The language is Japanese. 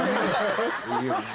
いいよね。